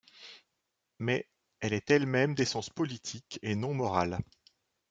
Mais elle est elle-même d'essence politique et non morale.